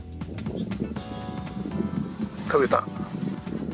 食べた。